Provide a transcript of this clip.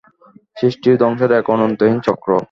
সৃষ্টি ও ধ্বংসের এক অন্তহীন চক্র।